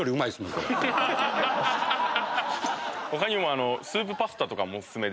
他にもスープパスタとかもお薦めで。